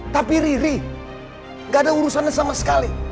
tapi riri gak ada urusannya sama sekali